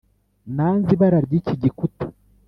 nanze ibara ryiki gikuta.